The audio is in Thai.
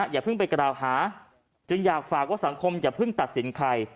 อย่าเพิ่งไปกล่าวหาจึงอยากฝากว่าสังคมอย่าเพิ่งตัดสินใคร